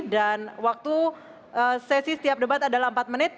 dan waktu sesi setiap debat adalah empat menit